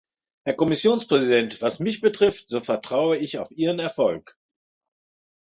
Herr Kommissionspräsident, was mich betrifft, so vertraue ich auf Ihren Erfolg.